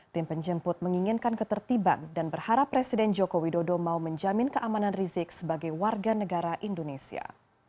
tim penjemput menginginkan ketertiban dan berharap presiden joko widodo mau menjamin keamanan rizik sebagai warga negara indonesia